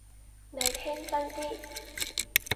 你聽真啲！